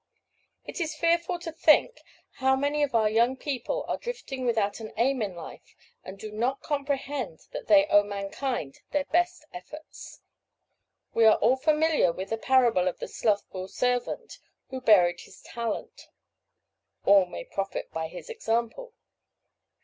It is fearful to think how many of our young people are drifting without an aim in life, and do not comprehend that they owe mankind their best efforts. We are all familiar with the parable of the slothful servant who buried his talent all may profit by his example.